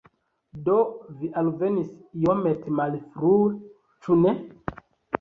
Do, vi alvenis iomete malfrue, ĉu ne?